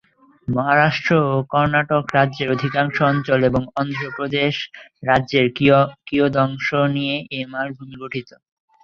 মহারাষ্ট্র ও কর্ণাটক রাজ্যের অধিকাংশ অঞ্চল এবং অন্ধ্রপ্রদেশ রাজ্যের কিয়দংশ নিয়ে এই মালভূমি গঠিত।